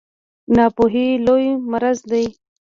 ناپوهي لوی مرض دی